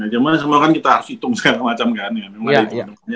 jangan semoga kita harus hitung segala macam kan ya